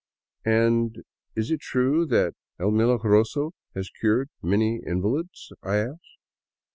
" And is it true that El Milagroso has cured many invalids ?'^ I asked.